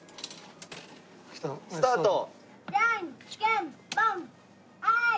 スタート。